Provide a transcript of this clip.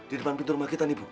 di depan pintu rumah kita nih bu